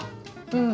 うん。